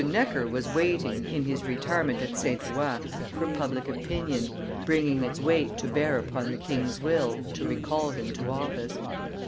Necker was waiting, in his retirement at St. Ouen, for public opinion, bringing its weight to bear upon the king's will, to recall him to office.